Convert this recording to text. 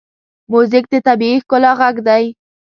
موزیک د طبیعي ښکلا غږ دی.